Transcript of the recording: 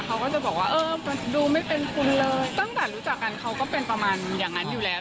เขาก็จะบอกว่าเออมันดูไม่เป็นคุณเลยตั้งแต่รู้จักกันเขาก็เป็นประมาณอย่างนั้นอยู่แล้ว